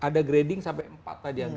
ada grading sampai empat tadi